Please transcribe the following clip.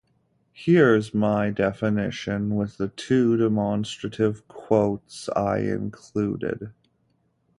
Here’s my definition, with the two demonstrative quotes I included.